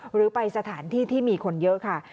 หรือไปสถานที่ที่มีคนเยอะค่ะ